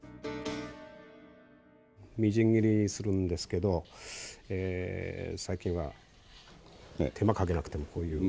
みじん切りにするんですけど最近は手間かけなくてもこういう。